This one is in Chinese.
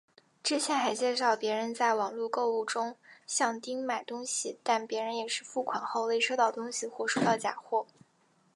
之前还介绍别人在网路购物中向丁买东西但别人也是付款后未收到东西或收到假货。